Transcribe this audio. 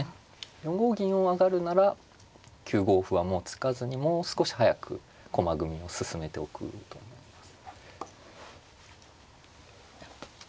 ４五銀を上がるなら９五歩はもう突かずにもう少し速く駒組みを進めておくと思います。